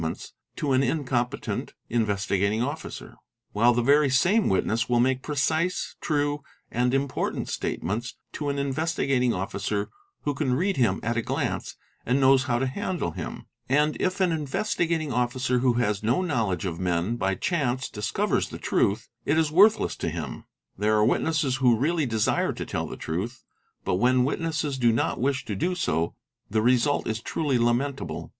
ments to an incompetent Investigating Officer, while the very same wit ness will make precise, true, and important statements to an Investigat | ing Officer who can read him at a glance and knows how to handle him, — And if an Investigating Officer who has no knowledge of men by chance — discovers the truth, it is worthless to him. There are witnesses who really 4 desire to tell the truth, but when witnesses do not wish to do so the result i is truly lamentable.